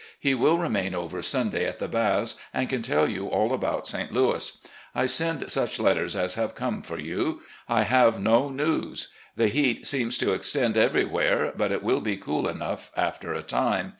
He will remain over Sunday at the Baths, and can tell you all about St. Louis. I send such letters as have come for you. I have no news. The heat seems to extend every where, but it will be cool enough after a time.